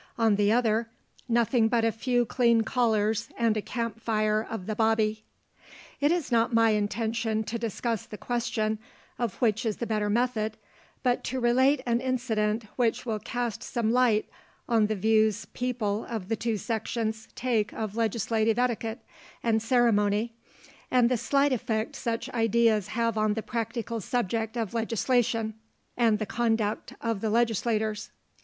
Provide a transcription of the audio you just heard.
On the other, nothing but a few clean collars and a camp fire of the bobby." It is not my intention to discuss the question of which is the better method, but to relate an incident which will cast some light on the views people of the two sections take of legislative etiquette and ceremony, and the slight effect such ideas have on the practical subject of legislation and the conduct of the legislators.